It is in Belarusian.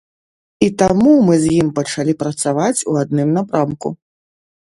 І таму мы з ім пачалі працаваць у адным напрамку.